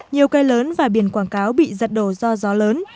nhiều cây lớn và biển quảng cáo bị giật đổ do gió lớn